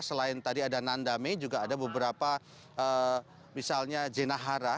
selain tadi ada nandame juga ada beberapa misalnya jenahara